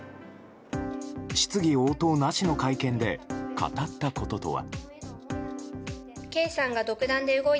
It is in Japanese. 質疑応答なしの会見で語ったこととは。